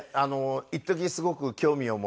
いっときすごく興味を持って。